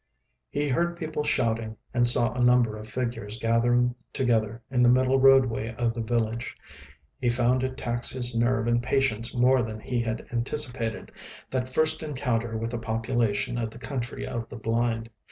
He heard people shouting, and saw a number of figures gathering together in the middle roadway of the village. He found it tax his nerve and patience more than he had anticipated, that first encounter with the population of the Country of the Blind.